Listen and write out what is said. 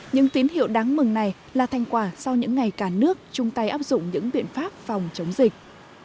những tín hiệu đáng mừng này là thành quả sau những ngày cả nước chung tay áp dụng những biện pháp phòng chống dịch